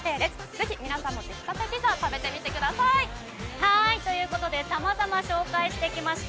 ぜひ、皆さんも出来立てピザ食べてみてください。ということで様々紹介してきました